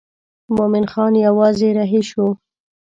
مومن خان یوازې رهي شو.